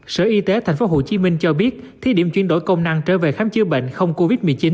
sở y tế tp hcm cho biết thí điểm chuyển đổi công năng trở về khám chữa bệnh không covid một mươi chín